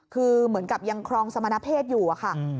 คือเหมือนกับยังครองสมณเพศอยู่อะค่ะ